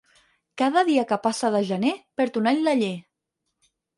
Cada dia que passa de gener, perd un all l'aller.